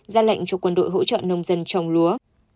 ra lệnh cho quân đội hỗ trợ nông dân trồng lúa